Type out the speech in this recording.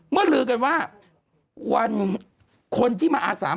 เมื่อลือกันว่าวันคนที่มาอาสามารถ